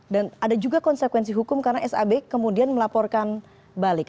dan ada juga konsekuensi hukum karena sab kemudian melaporkan balik